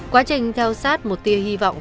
quá trình theo sát một tia hy vọng